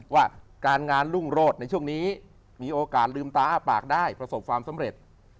ว่าการงานรุ่งโรดในช่วงนี้มีโอกาสลืมตาอ้าปากได้ประสบความสำเร็จ